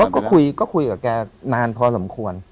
ก็คุยกับแกนานพอสมควร